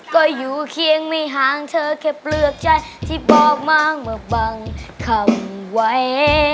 ก็อยู่เคียงไม่ห่างเธอแค่เปลือกใจที่บอกมาเมื่อบางคำไว้